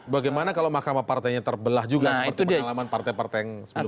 bagaimana kalau mahkamah partainya terbelah juga seperti pengalaman partai partai yang sebelumnya